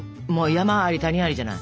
山あり谷ありじゃない。